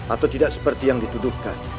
atau tidak seperti yang dituduhkan